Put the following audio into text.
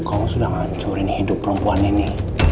kamu sudah ngancurin hidup perempuan ini